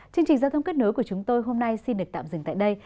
chương trình giao thông kết nối của chúng tôi hôm nay xin được tạm dừng tại đây